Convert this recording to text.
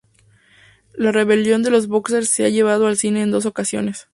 La rebelión de los bóxers se ha llevado al cine en dos ocasiones.